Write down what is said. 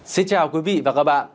xin chào quý vị và các bạn